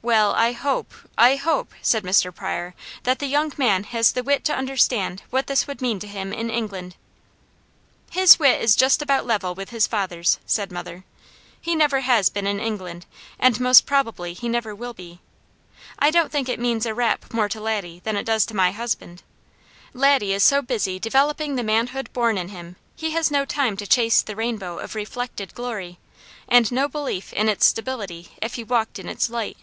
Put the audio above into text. "Well, I hope I hope," said Mr. Pryor, "that the young man has the wit to understand what this would mean to him in England." "His wit is just about level with his father's," said mother. "He never has been in England, and most probably he never will be. I don't think it means a rap more to Laddie than it does to my husband. Laddie is so busy developing the manhood born in him, he has no time to chase the rainbow of reflected glory, and no belief in its stability if he walked in its light.